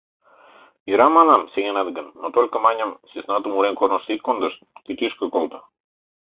— Йӧра, манам, сеҥенат гын, но только, маньым, сӧснатым урем корнышто ит кондышт, кӱтӱшкӧ колто...